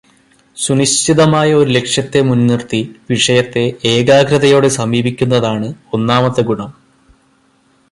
സുനിശ്ചിതമായ ഒരു ലക്ഷ്യത്തെ മുൻനിർത്തി വിഷയത്തെ ഏകാഗ്രതയോടെ സമീപിയ്ക്കുന്നതാണ് ഒന്നാമത്തെ ഗുണം.